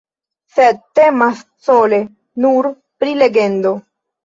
Sed temas sole nur pri legendo.